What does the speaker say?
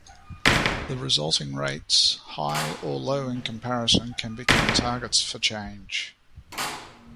The resulting rates, high or low in comparison, can become targets for change.